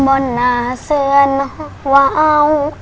บนหน้าเสือหน้าเว้า